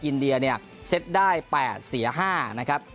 อินเดียเซตได้๘เสีย๕นะครับ